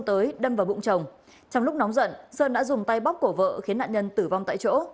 trong lúc nóng giận sơn đã dùng tay bóc cổ vợ khiến nạn nhân tử vong tại chỗ